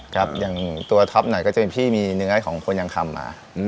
ครับอย่างตัวท็อปหน่อยก็จะมีพี่มีเนื้อของคนยังคำมา